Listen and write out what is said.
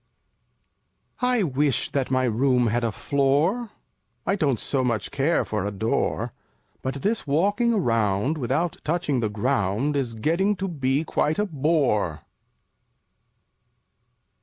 5 I wish that my Room had a floor; I don't so much care for a Door, But this walking around Without touching the ground Is getting to be quite a bore!